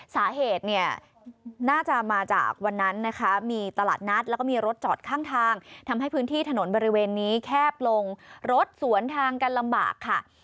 สาเหตุเนี่ยน่าจะมาจากวันนั้นนะคะมีตลาดนัดแล้วก็มีรถจอดข้างทางทำให้พื้นที่ถนนบริเวณนี้แคบลงรถสวนทางกันลำบากค่ะ